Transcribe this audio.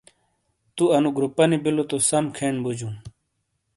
تُواَنُو گروپانی بِیلو توسَم کھین بوجُوں۔